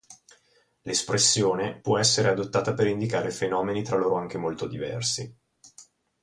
L'espressione può essere adottata per indicare fenomeni tra loro anche molto diversi.